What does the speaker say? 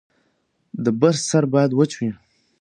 د برس سر باید وچ وي.